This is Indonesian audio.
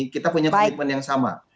kita punya komitmen yang sama